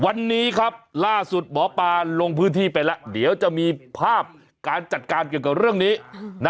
วันนี้ครับล่าสุดหมอปลาลงพื้นที่ไปแล้วเดี๋ยวจะมีภาพการจัดการเกี่ยวกับเรื่องนี้นะ